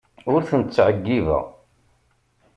Ur ten-ttɛeyyibeɣ.